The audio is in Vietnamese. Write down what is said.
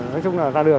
nói chung là ra đường